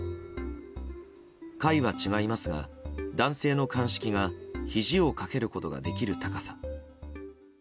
階は違いますが、男性の鑑識がひじをかけることができる高さ。